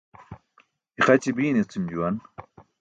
Ixaci biiṅ eci̇m juwan.